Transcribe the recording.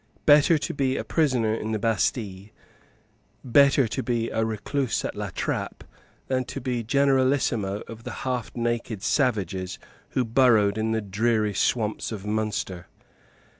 Better to be a prisoner in the Bastille, better to be a recluse at La Trappe, than to be generalissimo of the half naked savages who burrowed in the dreary swamps of Munster.